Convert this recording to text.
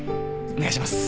お願いします！